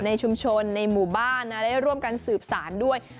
ในชุมชนในหมู่บ้านได้ร่วมกันสืบสารด้วย